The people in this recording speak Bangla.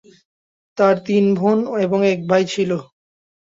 তার তিন বোন এবং এক ভাই ছিলো।